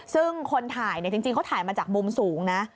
ซึ่งคนถ่ายเนี่ยจริงเขาถ่ายมาจากมุมสูงนะ